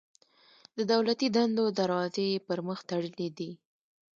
د دولتي دندو دروازې یې پر مخ تړلي دي.